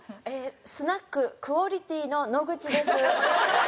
スナッククオリティの野口です。